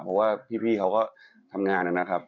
เพราะว่าพี่เขาก็ทำงานนะครับ